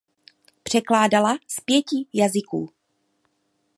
Překládala z pěti jazyků.